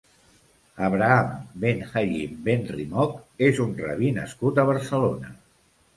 Abraham ben Hayim ben Rimok és un rabí nascut a Barcelona.